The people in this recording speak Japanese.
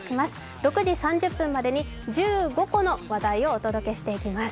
６時３０分までに１５個の話題をお届けしていきます。